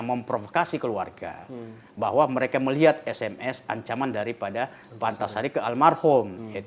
memprovokasi keluarga bahwa mereka melihat sms ancaman daripada pantas hari ke almarhum yaitu